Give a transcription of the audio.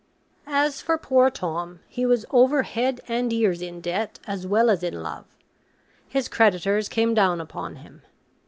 As for poor Tom, he was over head and ears in debt as well as in love: his creditors came down upon him.